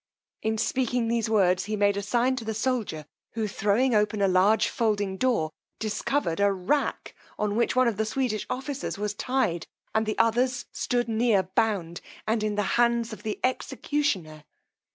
In speaking these words he made a sign to the soldier, who throwing open a large folding door, discovered a rack on which one of the Swedish officers was tied, and the others stood near bound, and in the hands of the executioner.